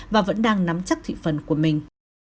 và vẫn đang nắm chắc thị phần của mình